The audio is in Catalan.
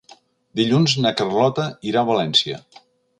Dilluns na Carlota irà a València.